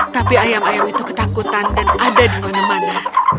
tapi ayam ayam itu ketakutan dan ada di mana mana